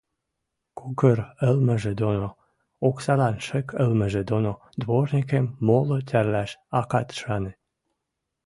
Кукыр ылмыжы доно, оксалан шык ылмыжы доно дворникӹм моло тӓрлӓш акат шаны.